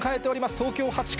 東京８区。